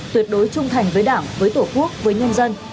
tuyệt đối trung thành với đảng với tổ quốc với nhân dân